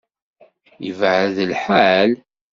Yebεed lḥal?